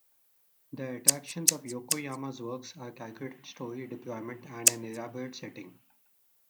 The attractions of Yokoyama's works are calculated story deployment and an elaborate setting.